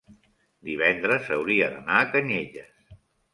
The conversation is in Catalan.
divendres hauria d'anar a Canyelles.